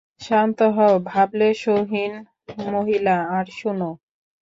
শান্ত হও, ভাবলেশহীন মহিলা, আর শোনো।